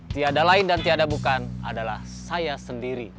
tiada lain dan tiada bukan adalah saya sendiri